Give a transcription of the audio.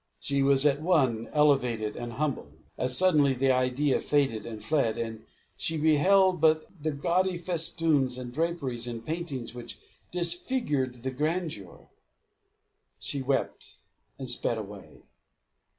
She was at one elevated and humbled. As suddenly the idea faded and fled, and she beheld but the gaudy festoons and draperies and paintings which disfigured the grandeur. She wept and sped away.